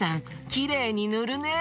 きれいにぬるね。